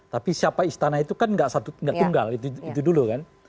tapi siapa istana itu kan gak satu gak tunggal itu dulu kan